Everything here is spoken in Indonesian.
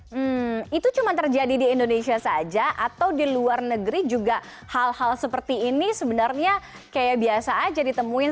hmm itu cuma terjadi di indonesia saja atau di luar negeri juga hal hal seperti ini sebenarnya kayak biasa aja ditemuin